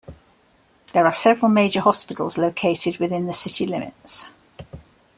There are several major hospitals located within the city limits.